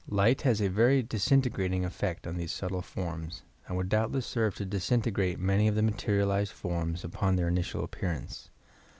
Light has a very disintegrating effect on these subtle forms and would doubtless serve to disintegrate many of the materialized forms upon their initial appear ance.